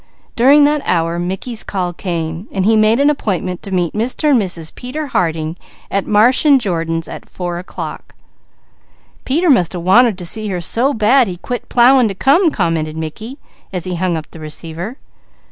During that hour, Mickey's call came. He made an appointment to meet Mr. and Mrs. Peter Harding at Marsh & Jordan's at four o'clock. "Peter must have wanted to see her so bad he quit plowing to come," commented Mickey, as he hung up the receiver.